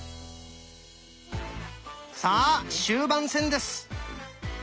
さあ終盤戦です。